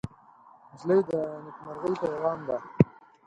نجلۍ د نیکمرغۍ پېغام ده.